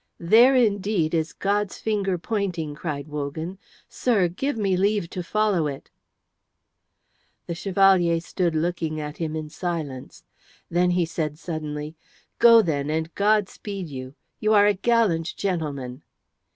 "There indeed is God's finger pointing," cried Wogan. "Sir, give me leave to follow it." The Chevalier still stood looking at him in silence. Then he said suddenly, "Go, then, and God speed you! You are a gallant gentleman."